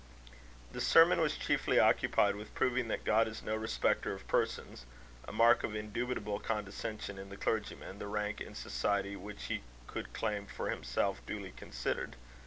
The sermon was chiefly occupied with proving that God is no respecter of persons; a mark of indubitable condescension in the clergyman, the rank in society which he could claim for himself duly considered.